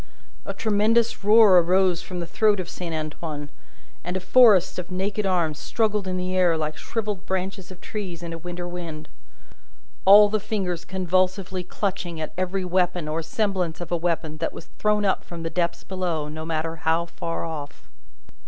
A tremendous roar arose from the throat of Saint Antoine, and a forest of naked arms struggled in the air like shrivelled branches of trees in a winter wind: all the fingers convulsively clutching at every weapon or semblance of a weapon that was thrown up from the depths below, no matter how far off.